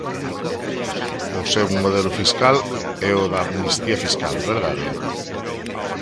O seu modelo fiscal é o da amnistía fiscal, ¿verdade?